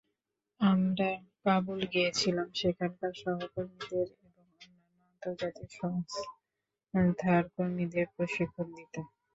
আমরা কাবুল গিয়েছিলাম সেখানকার সহকর্মীদের এবং অন্যান্য আন্তর্জাতিক সংস্থার কর্মীদের প্রশিক্ষণ দিতে।